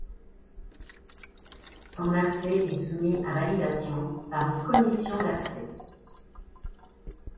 Son accès est soumis à validation par une commission d'accès.